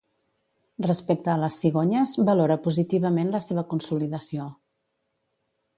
Respecte a les cigonyes, valora positivament la seva consolidació.